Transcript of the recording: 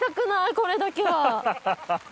これだけは。